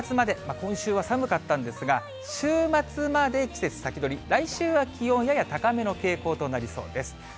今週は寒かったんですが、週末まで季節先取り、来週は気温やや高めの傾向となりそうです。